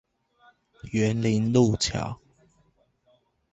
員林陸橋